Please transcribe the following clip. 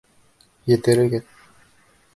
Етерегеҙ!